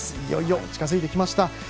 いよいよ近づいてきました。